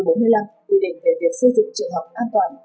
quy định về việc xây dựng trường học an toàn